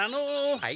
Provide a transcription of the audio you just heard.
はい？